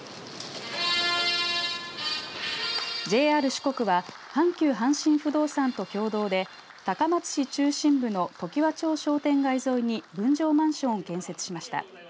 ＪＲ四国は阪急阪神不動産と共同で高松市中心部の常盤町商店街沿いに分譲マンションを建設しました。